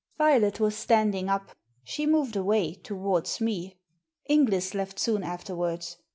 Violet was standing up. She moved away — ^to wards me. Inglis left soon afterwards.